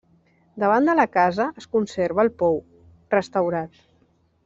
Davant de la casa es conserva el pou, restaurat.